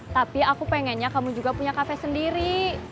tapi aku pengennya kamu juga punya kafe sendiri